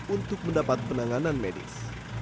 untuk mendapat penanganan medis